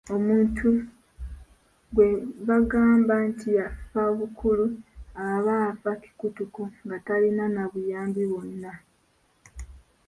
Omuntu gwe bagamba nti yafabukulu aba afa kikutuko nga talinaako na buyambi bwonna.